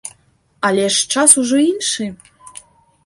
Але ж час ужо іншы.